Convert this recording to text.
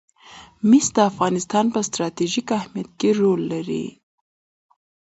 مس د افغانستان په ستراتیژیک اهمیت کې رول لري.